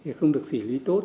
thì không được xỉ lý tốt